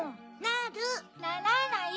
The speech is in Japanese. なる！ならない！